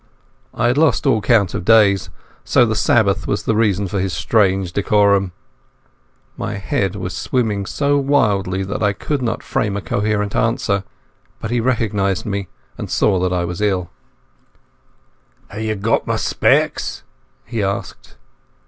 I had lost all count of the days. So the Sabbath was the reason for this strange decorum. My head was swimming so wildly that I could not frame a coherent answer. But he recognized me, and he saw that I was ill. "Hae ye got my specs?" he asked.